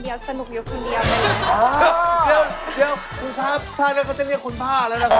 อีสวง